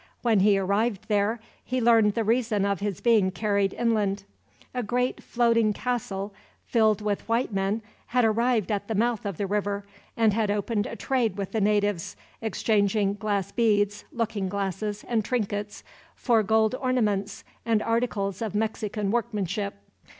When he arrived there, he learned the reason of his being carried inland. A great floating castle, filled with white men, had arrived at the mouth of the river; and had opened a trade with the natives, exchanging glass beads, looking glasses, and trinkets, for gold ornaments and articles of Mexican workmanship.